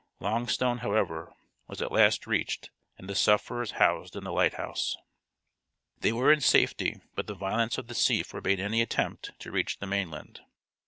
Longstone, however, was at last reached and the sufferers housed in the lighthouse. They were in safety, but the violence of the sea forbade any attempt to reach the mainland.